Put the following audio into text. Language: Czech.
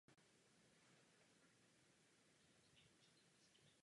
Po návratu do Prahy se stala ředitelkou Diplomatického protokolu.